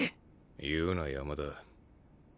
言うな山田。